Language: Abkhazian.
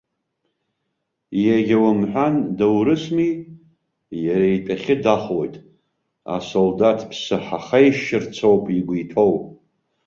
Иага умҳәан, доурысми, иара итәахьы дахоит, асолдаҭ ԥса ҳахеишьырц ауп игәы иҭоу!